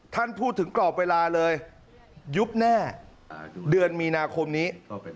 ท่านพูดถึงกรอบเวลาเลยยุบแน่เดือนมีนาคมนี้